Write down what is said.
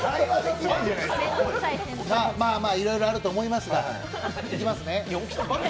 まあ、まあ、いろいろあると思いますがいきますね。